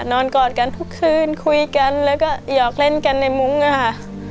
กอดกันทุกคืนคุยกันแล้วก็หยอกเล่นกันในมุ้งค่ะ